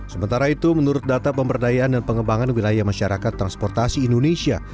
sementara itu menurut data pemberdayaan dan pengembangan wilayah masyarakat transportasi indonesia